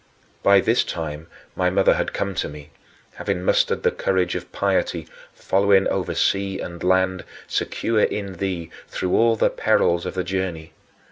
By this time my mother had come to me, having mustered the courage of piety, following over sea and land, secure in thee through all the perils of the journey.